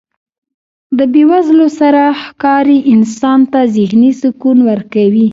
د بې وزلو سره هکاري انسان ته ذهني سکون ورکوي.